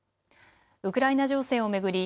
ウクライナ情勢を巡り